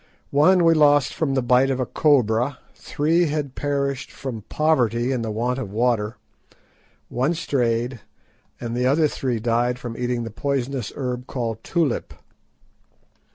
One we lost from the bite of a cobra, three had perished from "poverty" and the want of water, one strayed, and the other three died from eating the poisonous herb called "tulip."